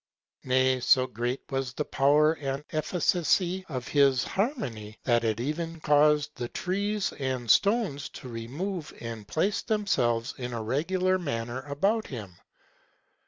Nay, so great was the power and efficacy of his harmony, that it even caused the trees and stones to remove, and place themselves in a regular manner about him.